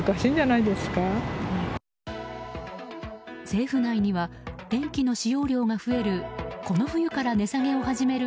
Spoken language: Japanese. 政府内には電気の使用量が増える